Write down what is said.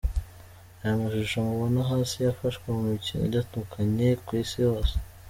Aya mashusho mubona hasi yafashwe mu mikino itandukanye ku isi hose.